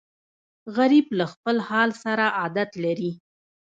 غریب له خپل حال سره عادت لري